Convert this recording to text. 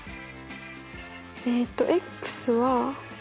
えっとは。